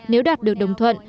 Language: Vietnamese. nếu đạt được đồng thuận